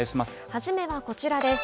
初めはこちらです。